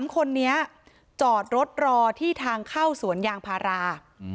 ๓คนนี้จอดรถรอที่ทางเข้าสวนยางพารา